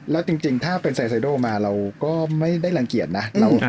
แล้วจริงถ้าเป็นไซโดมาเราก็ไม่ได้รังเกียจนะ